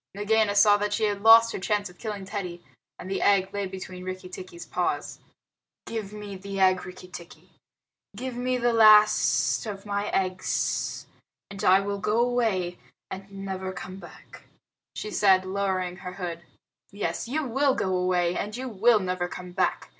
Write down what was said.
Nagaina saw that she had lost her chance of killing Teddy, and the egg lay between Rikki tikki's paws. "Give me the egg, Rikki tikki. Give me the last of my eggs, and I will go away and never come back," she said, lowering her hood. "Yes, you will go away, and you will never come back.